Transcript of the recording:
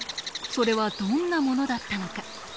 それはどんなものだったのか。